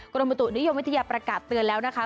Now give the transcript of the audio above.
กรมบุตุนิยมวิทยาประกาศเตือนแล้วนะคะ